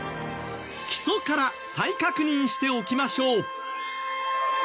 基礎から再確認しておきましょう。